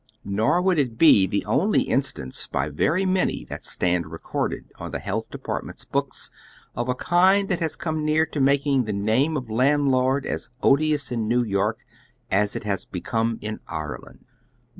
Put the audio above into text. Nor would it be the only instance by veiy many that stand recorded on the Health Department's books of a kind that has come near to making the name of landlord as odious in New York as it lias become in Ireiand.